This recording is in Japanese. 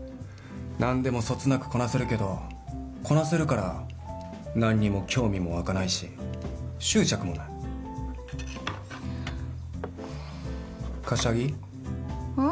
何でもそつなくこなせるけどこなせるから何にも興味も湧かないし執着もない柏木うん？